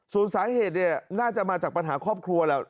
ส่วนสาเหตุเนี่ยน่าจะมาจากปัญหาครอบครัวแหละ